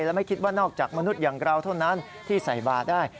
และไม่คิดว่านอกจากมนุษย์อย่างเราเท่านั้นที่ใส่บาร์ได้